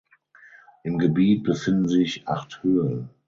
Im Gebiet befinden sich acht Höhlen.